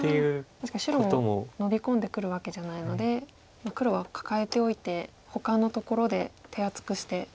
確かに白もノビ込んでくるわけじゃないので黒はカカえておいてほかのところで手厚くしてやはり戦いに備えようと。